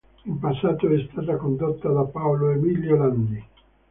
In passato è stata condotta da Paolo Emilio Landi.